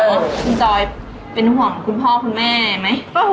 แล้วคุณจอยเป็นห่วงคุณพ่อคุณแม่ไหม